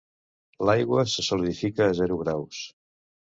L'aigua se solidifica a zero graus.